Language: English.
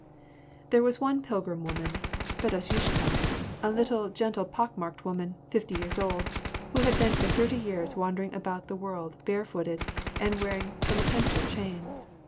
" There was one pilgrim woman, Fedosyushka, — a little, gentle, pock marked woman, fifty years old, — who had been for thirty years wandering about the world barefooted, and wearing pen itential chains.